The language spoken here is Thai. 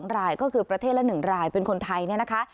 รายก็คือประเทศละ๑รายเป็นคนไทยเนี่ยนะคะ